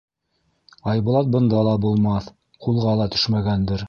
Айбулат бында ла булмаҫ, ҡулға ла төшмәгәндер.